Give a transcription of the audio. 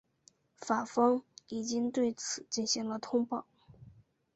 法方已经对此进行了通报。